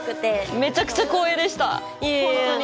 めちゃくちゃ光栄でした。